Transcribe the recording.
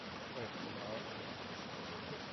Fue fundador del St.